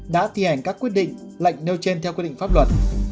đã thi hành các quyết định lệnh nêu trên theo quy định pháp luật